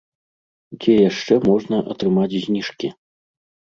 Дзе яшчэ можна атрымаць зніжкі?